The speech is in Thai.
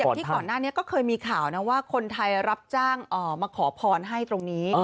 ที่ก่อนหน้านี้ก็เคยมีข่าวนะว่าคนไทยรับจ้างมาขอพรให้ตรงนี้